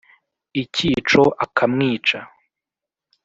icyico akamwica